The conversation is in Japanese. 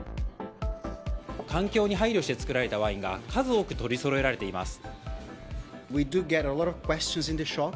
環境に配慮して造られたワインが数多く取りそろえられています。